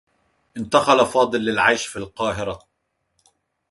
انتقل فاضل للعيش في القاهرة.